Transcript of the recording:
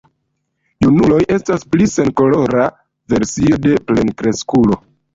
Junuloj estas pli senkolora versio de plenkreskulo.